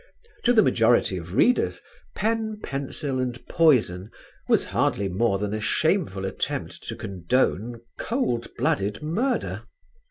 To the majority of readers, "Pen, Pencil and Poison" was hardly more than a shameful attempt to condone cold blooded murder.